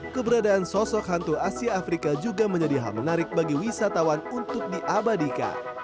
keberadaan sosok hantu asia afrika juga menjadi hal menarik bagi wisatawan untuk diabadikan